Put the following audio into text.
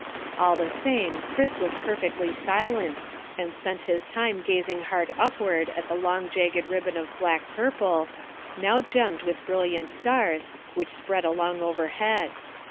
All the same Chris was perfectly silent, and spent his time gazing hard upward at the long jagged ribbon of black purple, now gemmed with brilliant stars, which spread along overhead.